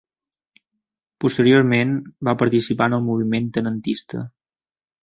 Posteriorment va participar en el moviment tenentista.